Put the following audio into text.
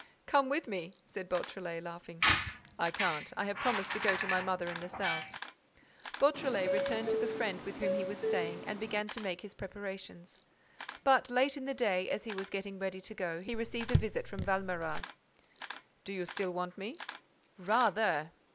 "Come with me," said Beautrelet, laughing. "I can't. I have promised to go to my mother in the South." Beautrelet returned to the friend with whom he was staying and began to make his preparations. But, late in the day, as he was getting ready to go, he received a visit from Valméras. "Do you still want me?" "Rather!"